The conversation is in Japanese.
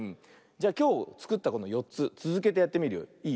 じゃきょうつくったこの４つつづけてやってみるよ。いい？